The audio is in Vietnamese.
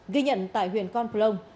ghi nhận tại huyện con plong